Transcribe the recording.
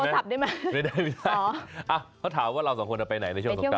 ไม่ได้ไม่ได้เพราะถามว่าเราสองคนจะไปไหนในช่วงสงคราน